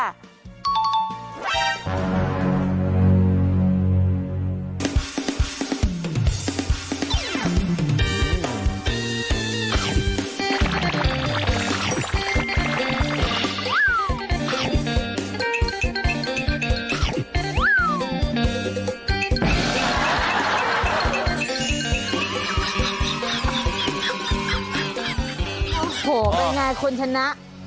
โห้เป็นไงคนชนะ